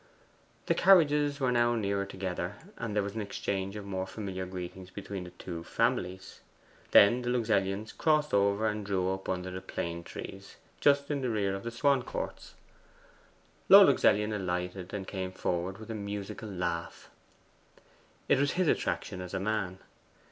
The carriages were now nearer together, and there was an exchange of more familiar greetings between the two families. Then the Luxellians crossed over and drew up under the plane trees, just in the rear of the Swancourts. Lord Luxellian alighted, and came forward with a musical laugh. It was his attraction as a man.